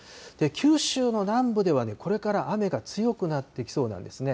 九州の南部ではね、これから雨が強くなってきそうなんですね。